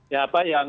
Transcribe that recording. ya apa yang